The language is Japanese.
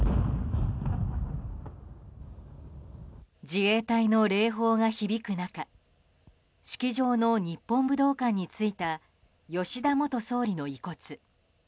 自衛隊の礼砲が響く中式場の日本武道館に着いた吉田元総理の遺骨。